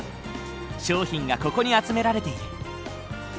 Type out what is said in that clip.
商品がここに集められている。